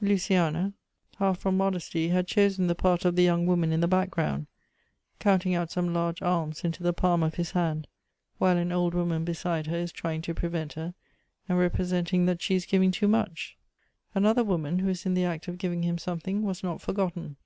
Luciana, half from modesty had chosen the part of the young woman in the background, count ing out some large alms into the palm of his hand, while an old woman beside her is trying to prevent her, and representing that she is giving too much. Another woman who is in the act of giving him something, was not forgotten.